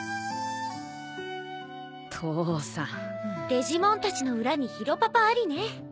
デジモンたちの裏に宙パパありね。